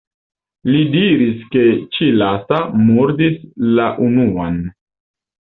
Li diris ke ĉi-lasta murdis la la unuan.